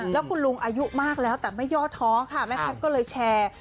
แล้วคุณลุงอายุมากแล้วแต่ไม่ย่อท้อค่ะแม่แพทย์ก็เลยแชร์